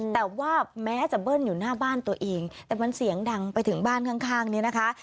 แต่ว่าแม้จะเบิ้ลอยู่หน้าบ้านตัวเองแต่มันเสียงดังไปถึงบ้านข้างนี้นะคะ